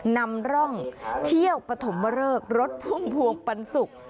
นำร่องเที่ยวปฐมเริกรถพุ่มพวงปันสุก